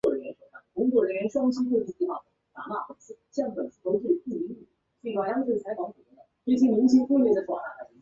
氢化铟锂的还原性介于硼氢化锂和氢化铝锂之间。